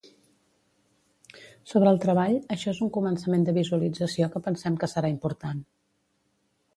Sobre el treball, això és un començament de visualització que pensem que serà important.